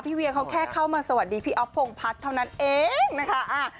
เวียเขาแค่เข้ามาสวัสดีพี่อ๊อฟพงพัฒน์เท่านั้นเองนะคะ